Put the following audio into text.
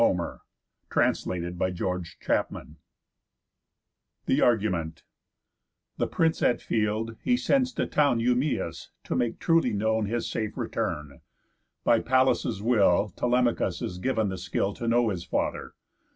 _ THE SIXTEENTH BOOK OF HOMER'S ODYSSEYS THE ARGUMENT The Prince at field, he sends to town Eumæus, to make truly known His safe return. By Pallas' will, Telemachus is giv'n the skill To know his father.